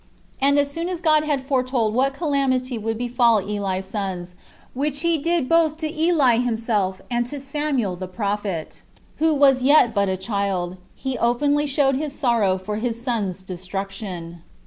And as soon as God had foretold what calamity would befall Eli's sons, which he did both to Eli himself and to Samuel the prophet, who was yet but a child, he openly showed his sorrow for his sons' destruction.